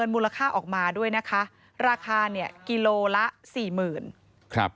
มูลค่าออกมาด้วยนะคะราคาเนี่ยกิโลละสี่หมื่นครับ